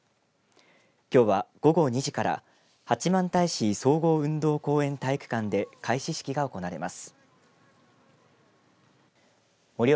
きょうは午後２時から八幡平市総合運動公園体育館で開始式が行われます。